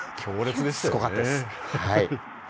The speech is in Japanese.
すごかったです。